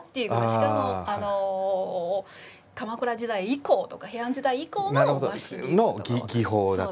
しかも鎌倉時代以降とか平安時代以降の和紙。の技法だと。